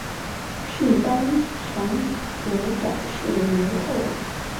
允丹藏卜早逝无后。